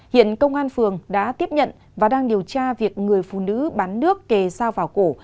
hiện công an phường đã tiếp nhận và đang điều tra việc người phụ nữ bán nước kề dao vào cổ